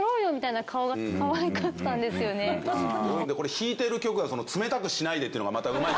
弾いてる曲が『冷たくしないで』ってのがまたうまい。